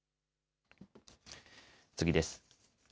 次です。